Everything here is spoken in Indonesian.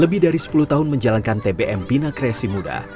lebih dari sepuluh tahun menjalankan tbm bina kreasi muda